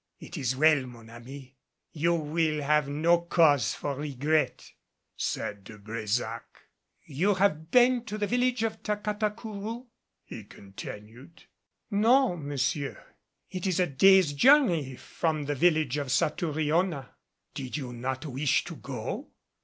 "It is well, mon ami. You will have no cause for regret," said De Brésac. "You have been to the village of Tacatacourou?" he continued. "No, monsieur. It is a day's journey from the village of Satouriona." "Did you not wish to go?"